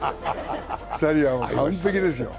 ２人は完璧ですよ。